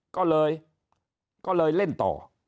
ก็เลยเล่นต่อ